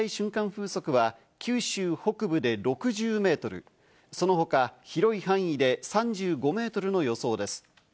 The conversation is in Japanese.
風速は九州北部で６０メートル、その他、広い範囲で３５メートルの予想です。